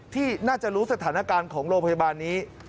ที่น่าจะรู้สถานการณ์ของโรงพยาบาลนี้